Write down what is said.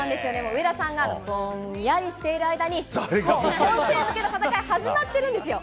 上田さんが、ぼんやりしている間に、もう本戦へ向けた戦い、始まってるんですよ。